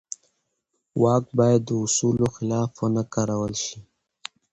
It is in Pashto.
واک باید د اصولو خلاف ونه کارول شي.